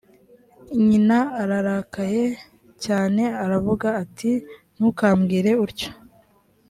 nyina ararakaye cyane aravuga ati “ntukambwire utyo”